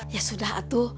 ya sudah atu